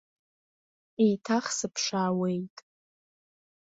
Еиҭах сыԥшаауеит.